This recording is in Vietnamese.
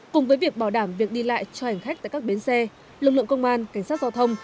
cùng với việc bảo đảm việc đi lại cho hành khách tại các bến xe lực lượng công an cảnh sát giao thông